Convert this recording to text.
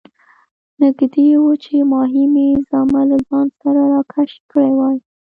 نږدې وو چې ماهي مې زامه له ځان سره راکش کړې وای.